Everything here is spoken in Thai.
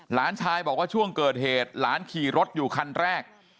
หลานชายบอกว่าช่วงเกิดเหตุหลานขี่รถอยู่คันแรก